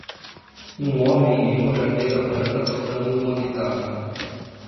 Um homem em uma jaqueta branca tocando uma guitarra.